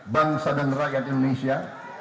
bangsa dan rakyat indonesia